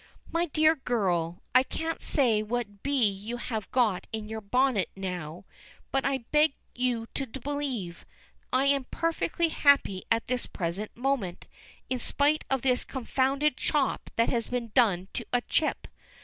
"My dear girl, I can't say what bee you have got in your bonnet now, but I beg you to believe, I am perfectly happy at this present moment, in spite of this confounded chop that has been done to a chip.